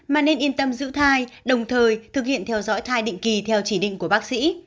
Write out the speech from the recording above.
mà nên yên tâm giữ thai đồng thời thực hiện theo dõi thai định kỳ theo chỉ định của bác sĩ